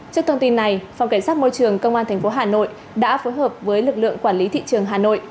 trước thông tin này phòng cảnh sát môi trường công an tp hà nội đã phối hợp với lực lượng quản lý thị trường hà nội